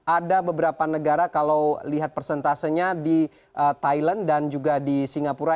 ada beberapa negara kalau lihat persentasenya di thailand dan juga di singapura